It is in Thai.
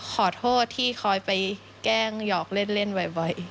ขอโทษที่คอยไปแกล้งหยอกเล่นบ่อย